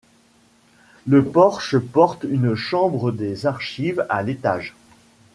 Le porche porte une chambre des archives à l'étage.